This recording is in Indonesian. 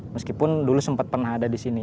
meskipun dulu sempat pernah ada di sini